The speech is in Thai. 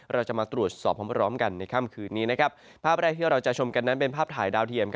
เราจะมาตรวจสอบพร้อมกันในค่ำคืนนี้นะครับภาพแรกที่เราจะชมกันนั้นเป็นภาพถ่ายดาวเทียม